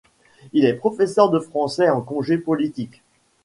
Il est professeur de français en congé politique.